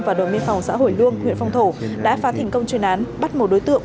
và đội miên phòng xã hủy luông huyện phong thổ đã phá thành công truyền án bắt một đối tượng